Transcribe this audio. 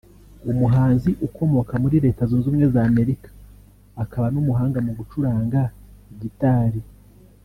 umuhanzi ukomoka muri Leta zunze ubumwe z’Amerikla akaba n’umuhanga mu gucuranga Gitari